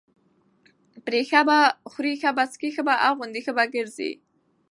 پرې ښه به خوري، ښه به څکي ښه به اغوندي، ښه به ګرځي،